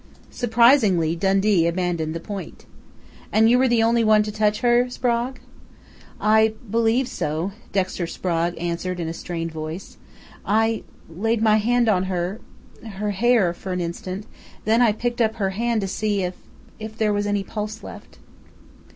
Surprisingly, Dundee abandoned the point. "And you were the only one to touch her, Sprague?" "I believe so," Dexter Sprague answered in a strained voice. "I laid my hand on her her hair, for an instant, then I picked up her hand to see if if there was any pulse left."